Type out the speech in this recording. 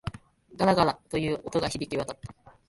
ガラガラ、という音が響き渡った。